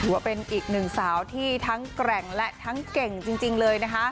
ว่าเป็นอีกหนึ่งสาวที่ทั้งแกร่งและทั้งเก่งจริงเลยนะคะ